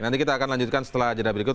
nanti kita akan lanjutkan setelah jeda berikut